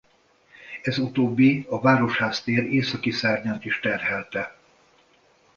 Ez utóbbi a Városház tér északi szárnyát is terhelte.